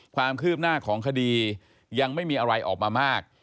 ความคืบหน้าของคดียังไม่มีอะไรออกมามาก